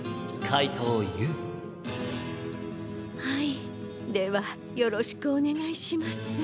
はいではよろしくおねがいします。